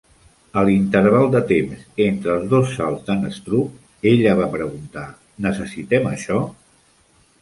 A l'interval de temps entre els dos salts d'en Strug, ella va preguntar, Necessitem això?